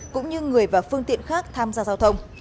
cũng như người và phương tiện khác tham gia giao thông